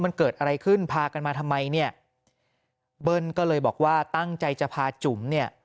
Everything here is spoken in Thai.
มันเกิดอะไรขึ้นพากันมาทำไมเนี่ยเบิ้ลก็เลยบอกว่าตั้งใจจะพาจุ๋มเนี่ย